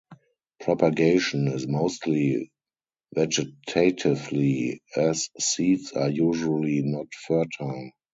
Propagation is mostly vegetatively as seeds are usually not fertile.